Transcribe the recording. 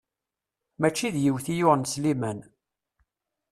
Mačči d yiwet i yuɣen Sliman.